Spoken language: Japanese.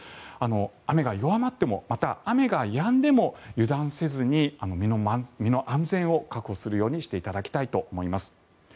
雨が弱まってもまた、雨がやんでも油断せずに身の安全を確保するようにしていただきたいと思います。